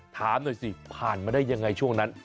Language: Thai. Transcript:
ถามหน่อยสิผ่านมาได้ยังไงช่วงนั้น